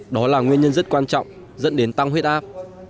đó là nguyên nhân rất quan trọng dẫn đến tăng huyết áp